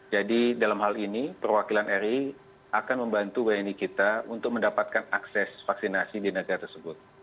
jadi dalam hal ini perwakilan ri akan membantu wni kita untuk mendapatkan akses vaksinasi di negara tersebut